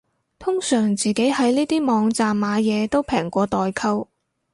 通常自己喺呢啲網站買嘢都平過代購